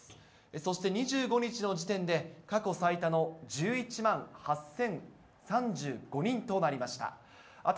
そして２５日の時点で、過去最多の１１万８０３５人となりました。